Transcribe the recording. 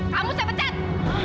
kamu saya pecah